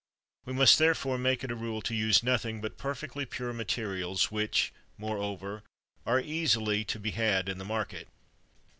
We must, therefore, make it a rule to use nothing but perfectly pure materials which, moreover, are easily to be had in the market.